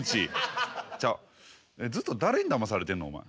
ちゃずっと誰にだまされてんのお前。